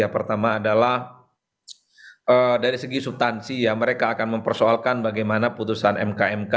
pertama adalah dari segi subtansi ya mereka akan mempersoalkan bagaimana putusan mk mk